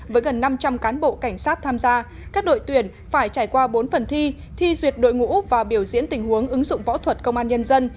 với gần năm trăm linh cán bộ cảnh sát tham gia các đội tuyển phải trải qua bốn phần thi thi duyệt đội ngũ và biểu diễn tình huống ứng dụng võ thuật công an nhân dân